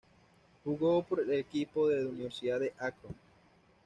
Jugó por el equipo de Universidad de Akron.